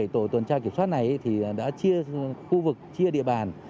bốn mươi bảy tổ tuần tra kiểm soát này thì đã chia khu vực chia địa bàn